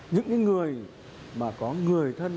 những người mà có người thân